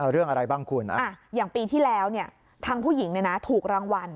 เรื่องอะไรบ้างคุณอย่างปีที่แล้วทางผู้หญิงถูกรางวัล